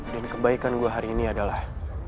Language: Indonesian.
dan kebaikan gue hari ini adalah